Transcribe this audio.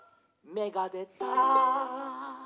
「めがでた！」